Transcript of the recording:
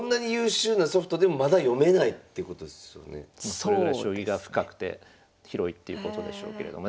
それぐらい将棋が深くて広いっていうことでしょうけれどもね。